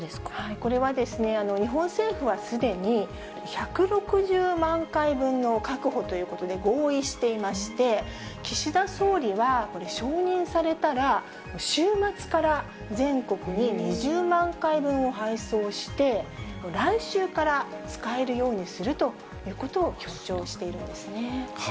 これは日本政府はすでに、１６０万回分の確保ということで合意していまして、岸田総理はこれ、承認されたら、週末から全国に２０万回分を配送して、来週から使えるようにするということを強調しているんですね。